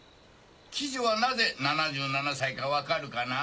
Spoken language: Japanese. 喜寿はなぜ７７歳か分かるかな？